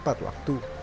yang tepat waktu